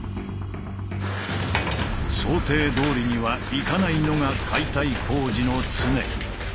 想定どおりにはいかないのが解体工事の常。